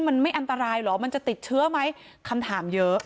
มันไม่อันตรายเหรอมันจะติดเชื้อไหมคำถามเยอะ